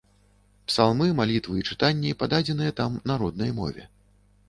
Псалмы, малітвы і чытанні пададзеныя там на роднай мове.